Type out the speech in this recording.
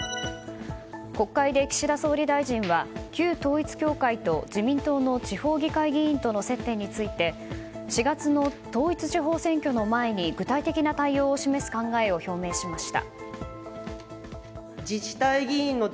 国会で岸田総理大臣は旧統一教会と自民党の地方議会議員との接点について４月の統一地方選挙の前に具体的な対応を示す考えを表明しました。